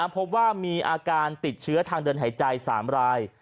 พบว่ามีอาการติดเชื้อทางเดินหายใจ๓ราย